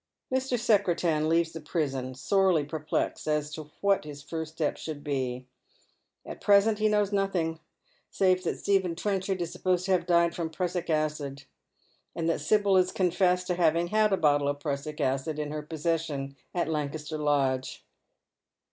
Mr. Secretan leaves the prison sorely perplexed as to what his first step should be. At present he knows nothiLg', save that 'Stephen Trenchard is supposed to have died from prussic acid, and that Sibyl has confessed to having had a bottle' of prussic Acid in her possession at Lancaster Lodge.